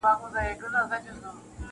هوښيارانو دي راوړي دا نكلونه-